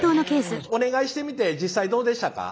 お願いしてみて実際どうでしたか？